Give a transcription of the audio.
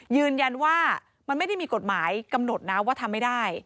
ยืนยันว่ามันไม่ได้มีกฎหมายกำหนดนะว่าทำไม่ได้